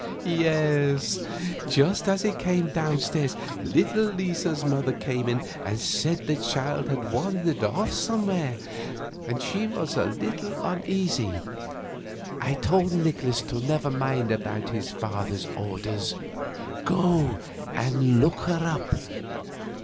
"Yes. Just as he came down stairs little Lisa's mother came in and said the child had wandered off somewhere, and as she was a little uneasy I told Nikolaus to never mind about his father's orders go and look her up....